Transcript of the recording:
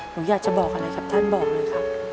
ผมอยากจะบอกอะไรครับท่านบอกเลย